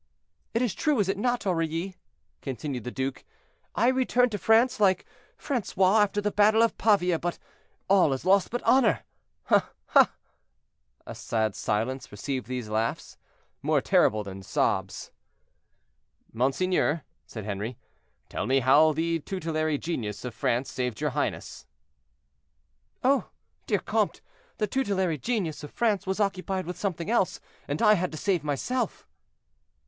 "It is true, is it not, Aurilly?" continued the duke; "I return to France like Francois after the battle of Pavia; all is lost but honor. Ah! ah!" A sad silence received these laughs, more terrible than sobs. "Monseigneur," said Henri, "tell me how the tutelary genius of France saved your highness." "Oh! dear comte, the tutelary genius of France was occupied with something else, and I had to save myself."